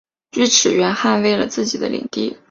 锯齿螈捍卫了自己的领地。